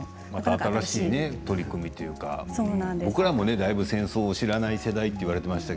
新しい取り組みというか僕らもだいぶ戦争を知らない世代と言われていました。